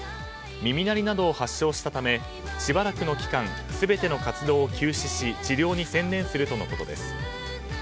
耳鳴りなどを発症したためしばらくの期間全ての活動を休止し治療に専念するということです。